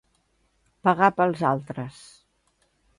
Pagar pels altres.